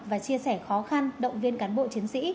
và chia sẻ khó khăn động viên cán bộ chiến sĩ